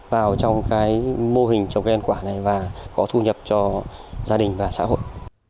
vào trong cái mô hình trồng cây ăn quả này và có thu nhập cho gia đình và xã hội